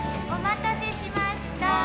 おまたせしました。